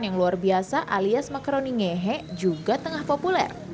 yang luar biasa alias makaroni ngehe juga tengah populer